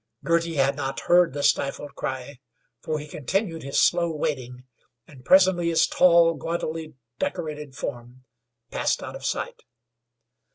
Girty had not heard that stifled cry, for he continued his slow wading, and presently his tall, gaudily decorated form passed out of sight.